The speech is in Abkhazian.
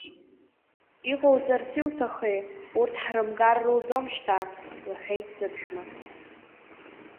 Иҟоуҵарц иуҭахи, урҭ ҳрымгар руӡом шьҭа, — лҳәеит сыԥшәма.